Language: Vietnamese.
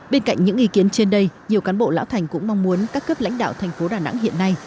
bên cạnh những ý kiến trên đây nhiều cán bộ lão thành cũng mong muốn các cấp lãnh đạo thành phố đà nẵng hiện nay